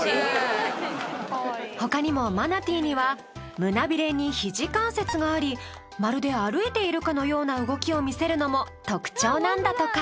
他にもマナティーには胸ビレに肘関節がありまるで歩いているかのような動きを見せるのも特徴なんだとか。